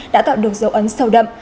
đã tạo được dấu ấn sâu đậm